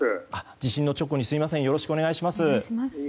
地震の直後ですがよろしくお願いします。